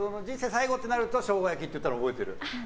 最後ってなるとショウガ焼きって言ったの覚えてる。